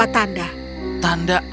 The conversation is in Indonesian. dan dan datang dari kantil